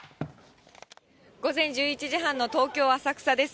午前１１時半の東京・浅草です。